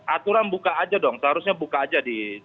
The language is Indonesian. aturan buka aja dong seharusnya buka aja di